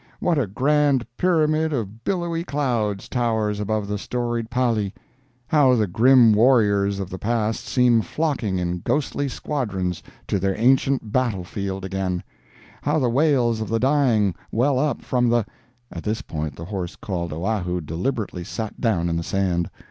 What a grand pyramid of billowy clouds towers above the storied Pari! How the grim warriors of the past seem flocking in ghostly squadrons to their ancient battlefield again—how the wails of the dying well up from the—" At this point the horse called Oahu deliberately sat down in the sand.